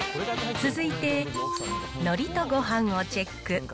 続いて、のりとごはんをチェック。